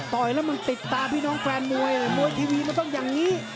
ต่อยแล้วมันติดตาพี่น้องแฟนมวยมวยทีวีมันต้องอย่างนี้